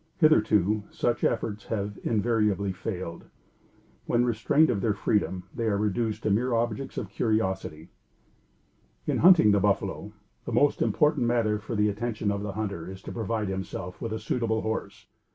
Hitherto such efforts have invariably failed. When restrained of their freedom, they are reduced to mere objects of curiosity. In hunting buffalo the most important matter for the attention of the hunter is to provide himself with a suitable horse.